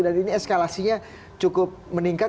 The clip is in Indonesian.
dan ini eskalasinya cukup meningkat